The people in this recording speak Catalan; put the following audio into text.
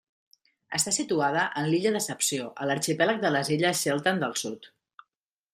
Està situada en l'illa Decepció, a l'arxipèlag de les illes Shetland del Sud.